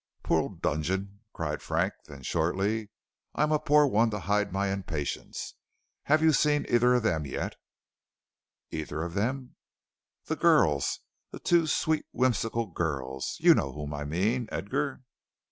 '" "Poor old Dudgeon!" cried Frank. Then, shortly: "I'm a poor one to hide my impatience. Have you seen either of them yet?" "Either of them?" "The girls, the two sweet whimsical girls. You know whom I mean, Edgar."